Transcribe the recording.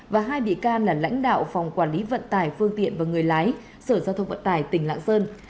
và hai bị can là lãnh đạo phòng quản lý vận tải phương tiện và người lái sở giao thông vận tải tỉnh lạng sơn